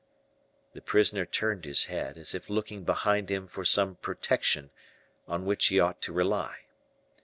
The prisoner turned his head, as if looking behind him for some protection, on which he ought to rely.